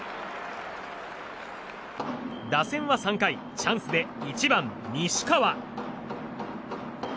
打線は３回、チャンスで１番、西川。